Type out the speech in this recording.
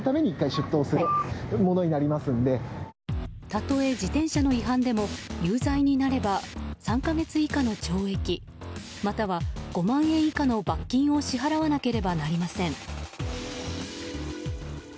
たとえ自転車の違反でも有罪になれば３か月以下の懲役または５万円以下の罰金を支払わなければなりません。